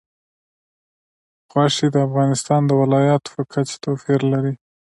غوښې د افغانستان د ولایاتو په کچه توپیر لري.